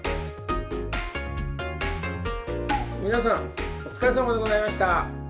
皆さんおつかれさまでございました。